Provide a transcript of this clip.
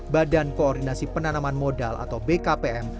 badan koordinasi penanaman modal atau bkpm